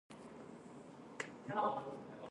エアコンが壊れた